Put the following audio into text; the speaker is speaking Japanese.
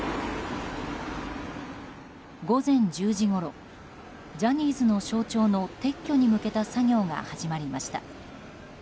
午前１０時ごろジャニーズの象徴の撤去に向けた作業が始まりました。